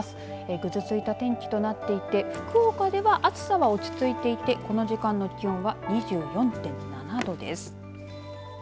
ぐずついた天気となっていて福岡では暑さは落ち着いていてこの時間の気温は２４．７度です。